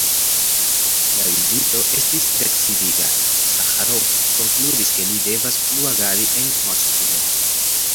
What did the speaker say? La vizito estis decidiga: Saĥarov konkludis, ke li devas plu agadi en Moskvo.